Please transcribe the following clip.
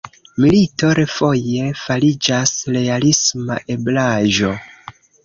Milito refoje fariĝas realisma eblaĵo.